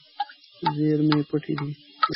زیرمې پټې دي.